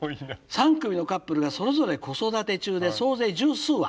「３組のカップルがそれぞれ子育て中で総勢十数羽。